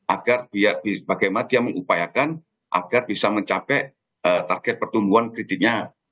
agar bagaimana dia mengupayakan agar bisa mencapai target pertumbuhan kreditnya